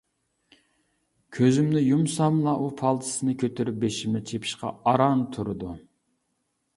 كۆزۈمنى يۇمساملا ئۇ پالتىسىنى كۆتۈرۈپ بېشىمنى چېپىشقا ئاران تۇرىدۇ.